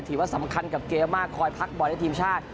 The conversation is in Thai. ถือว่าสำคัญกับเกมมากคอยพักบอลให้ทีมชาติ